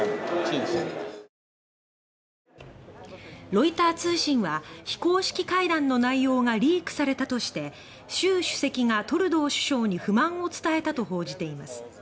ロイター通信は非公式会談の内容がリークされたとして習主席がトルドー首相に不満を伝えたと報じています。